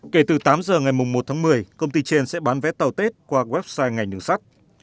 kể từ tám giờ ngày một tháng một mươi công ty trên sẽ bán vé tàu tết qua website ngành đường sắt